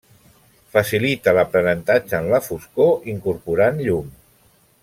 Facilita l'aprenentatge en la foscor incorporant llum.